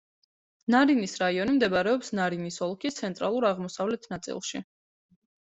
ნარინის რაიონი მდებარეობს ნარინის ოლქის ცენტრალურ-აღმოსავლეთ ნაწილში.